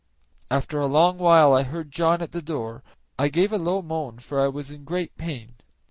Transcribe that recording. After a long while I heard John at the door; I gave a low moan, for I was in great pain.